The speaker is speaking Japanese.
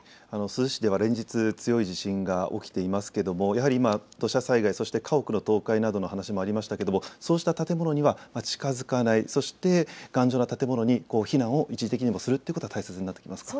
珠洲市では連日、強い地震が起きていますけれどもやはり今、土砂災害、家屋の倒壊などの話もありましたがそうした建物には近づかない、頑丈な建物に一時的にでも避難をすることが大事になってきますか。